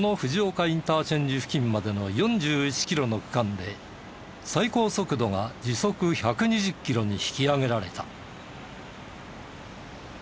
インターチェンジ付近までの４１キロの区間で最高速度が時速１２０キロに引き上げられた。